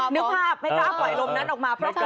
นึกภาพไม่กล้าปล่อยลมนั้นออกมาเพราะกลัว